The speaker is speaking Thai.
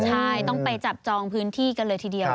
ใช่ต้องไปจับจองพื้นที่กันเลยทีเดียว